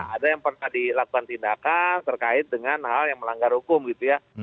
ada yang pernah dilakukan tindakan terkait dengan hal yang melanggar hukum gitu ya